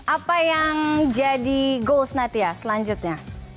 apa yang jadi goals natia selanjutnya